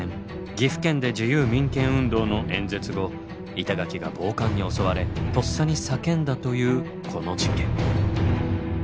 岐阜県で自由民権運動の演説後板垣が暴漢に襲われとっさに叫んだというこの事件。